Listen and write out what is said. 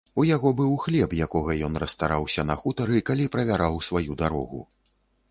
У яго быў хлеб, якога ён расстараўся на хутары, калі правяраў сваю дарогу.